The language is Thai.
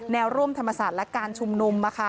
แนวร่วมธรรมศาสตร์และการชุมนุม